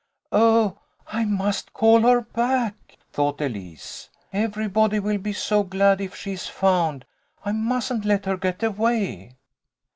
"Oh, I must call her back," thought Elise. "Everybody will be so glad if she is found. I mustn't let her get away."